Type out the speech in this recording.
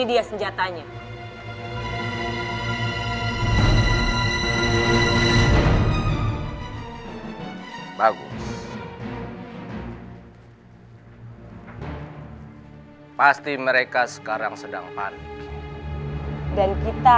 ini dia senjatanya